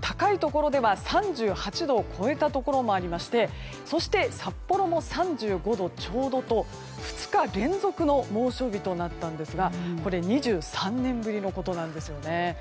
高いところでは３８度を超えたところもありましてそして、札幌も３５度ちょうどと２日連続の猛暑日となったんですが２３年ぶりのことなんですよね。